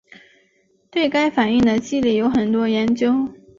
对该反应的机理有很多研究。